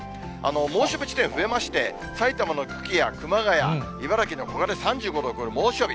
猛暑日地点増えまして、埼玉の久喜や熊谷、茨城の古河で３５度を超える猛暑日。